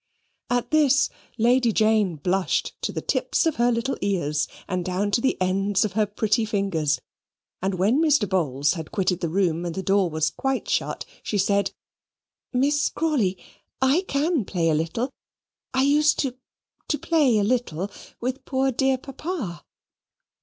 At this Lady Jane blushed to the tips of her little ears, and down to the ends of her pretty fingers; and when Mr. Bowls had quitted the room, and the door was quite shut, she said: "Miss Crawley, I can play a little. I used to to play a little with poor dear papa."